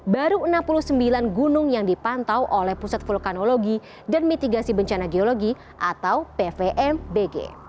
baru enam puluh sembilan gunung yang dipantau oleh pusat vulkanologi dan mitigasi bencana geologi atau pvmbg